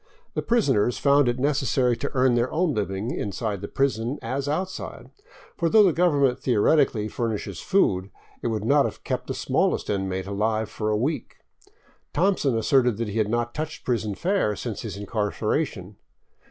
The prisoners found it as necessary to earn their own living inside the prison as out side, for though the government theoretically furnishes food, it would not have kept the smallest inmate alive for a week. " Thompson '* asserted that he had not touched prison fare since his incarceration.